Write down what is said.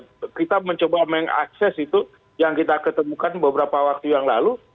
tidak sekali tidak ya tahu tahu kita mencoba mengakses itu yang kita ketemukan beberapa waktu yang lalu